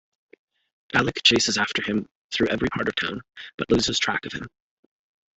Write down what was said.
Alec chases after him through every part of town, but loses track of him.